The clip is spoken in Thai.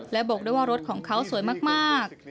และบอกได้ว่ารถของเขาสวยมาก